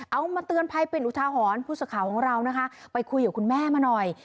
เอามาเตือนภัยเป็นอุทาหรณ์ผู้สื่อข่าวของเรานะคะไปคุยกับคุณแม่มาหน่อย